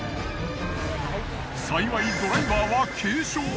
幸いドライバーは軽傷。